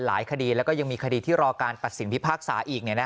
แล้วก็ยังมีคดีที่รอการปัดสินที่ภาคสาอีก